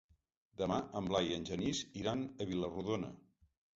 Demà en Blai i en Genís iran a Vila-rodona.